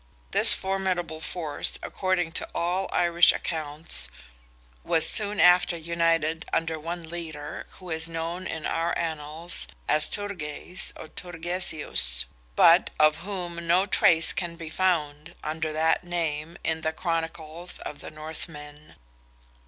This formidable force, according to all Irish accounts, was soon after united under one leader, who is known in our Annals as Turgeis or Turgesius, but of whom no trace can be found, under that name, in the chronicles of the Northmen.